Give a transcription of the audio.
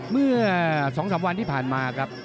เมื่อ๒๓วันที่ผ่านมาครับ